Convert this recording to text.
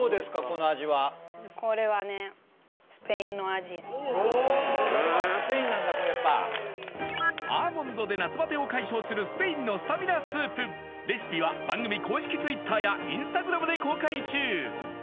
この味はスペインなんだこれやっぱアーモンドで夏バテを解消するスペインのスタミナスープレシピは番組公式ツイッターやインスタグラムで公開中